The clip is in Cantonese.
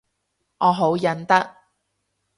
我好忍得